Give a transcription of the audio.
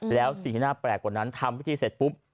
แล้วสิ่งที่น่าแปลกกว่านั้นทำพิธีเสร็จปุ๊บ